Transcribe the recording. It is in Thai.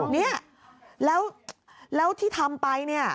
เนี่ยแล้วที่ทำไปเนี่ย